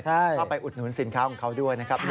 เข้าไปอุดหนุนสินค้าของเขาด้วยนะครับ